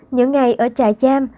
những ngày ở trại giam